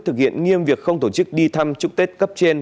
thực hiện nghiêm việc không tổ chức đi thăm chúc tết cấp trên